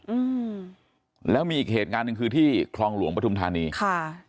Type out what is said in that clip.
อืมแล้วมีอีกเหตุการณ์หนึ่งคือที่คลองหลวงปฐุมธานีค่ะ